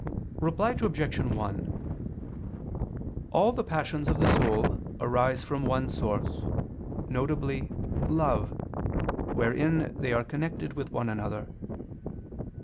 Reply Obj. 1: All the passions of the soul arise from one source, viz. love, wherein they are connected with one another.